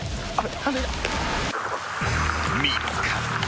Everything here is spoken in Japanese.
［見つかった］